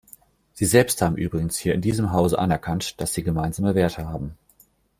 Sie selbst haben übrigens hier in diesem Hause anerkannt, dass Sie gemeinsame Werte haben.